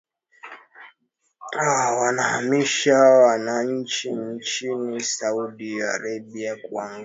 wanaohamasisha wananchi nchini saudi arabia kuungana pamoja hii leo katika siku ya ghadhabu